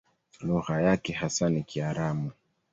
Lugha yake hasa ni Kiaramu.